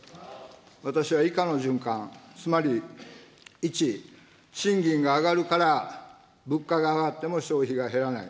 私は以下の循環、つまり、１、賃金が上がるから物価が上がっても消費が減らない。